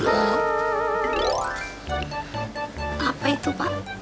apa itu pak